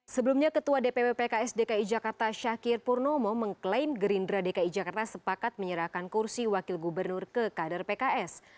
sebelumnya ketua dpw pks dki jakarta syakir purnomo mengklaim gerindra dki jakarta sepakat menyerahkan kursi wakil gubernur ke kader pks